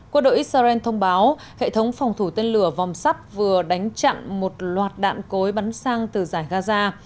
quân đội israel thông báo hệ thống phòng thủ tên lửa vòng sắp vừa đánh chặn một loạt đạn cối bắn sang từ giải gaza